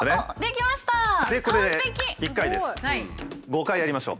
５回やりましょう。